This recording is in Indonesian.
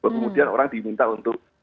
kemudian orang diminta untuk